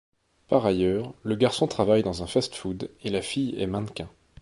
Par ailleurs le garçon travaille dans un fast-food et la fille est mannequin.